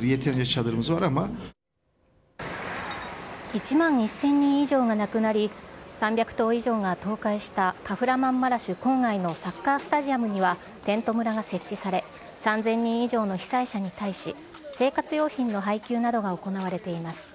１万１０００人以上が亡くなり３００棟以上が倒壊したカフラマンマラシュ郊外のサッカースタジアムにはテント村が設置され３０００人以上の被災者に対し生活用品の配給などが行われています。